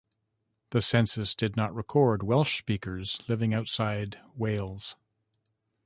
The census did not record Welsh-speakers living outside Wales.